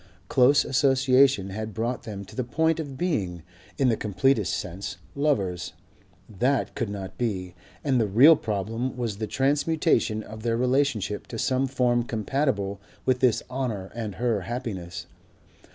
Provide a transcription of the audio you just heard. Close association had brought them to the point of being, in the completest sense, lovers; that could not be; and the real problem was the transmutation of their relationship to some form compatible with his honour and her happiness.